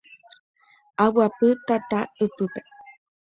Aguapy tata ypýpe